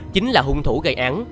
chính là hung thủ gây án